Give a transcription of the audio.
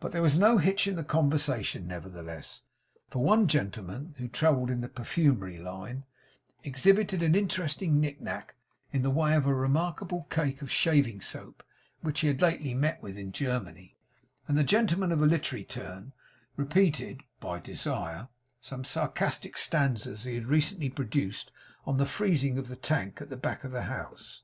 But there was no hitch in the conversation nevertheless; for one gentleman, who travelled in the perfumery line, exhibited an interesting nick nack, in the way of a remarkable cake of shaving soap which he had lately met with in Germany; and the gentleman of a literary turn repeated (by desire) some sarcastic stanzas he had recently produced on the freezing of the tank at the back of the house.